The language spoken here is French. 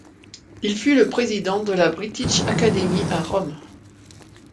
Il fut le président de la British Academy à Rome.